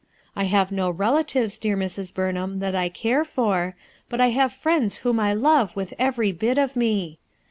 I have no relatives, dear Mrs. Burnham, that I care for, but I have friends whom I lovo with every bit of me.